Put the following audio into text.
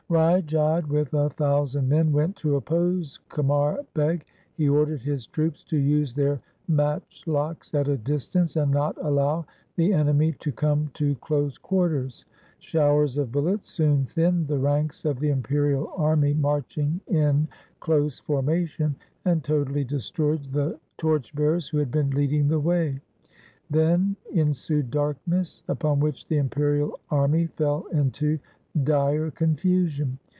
Rai Jodh with a thousand men went to oppose Qamar Beg. He ordered his troops to use their matchlocks at a distance, and not allow the enemy to come to close quarters. Showers of bullets soon thinned the ranks of the imperial army marching in close formation, and totally destroyed the torch bearers who had been leading the way. Then ensued darkness, upon which the imperial army fell into dire confusion.